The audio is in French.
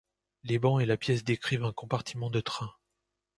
Les bancs et la pièce décrivent un compartiment de train.